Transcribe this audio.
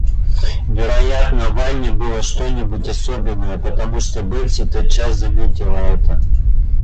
Вероятно, в Анне было что-нибудь особенное, потому что Бетси тотчас заметила это.